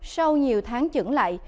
sau nhiều tháng dẫn lại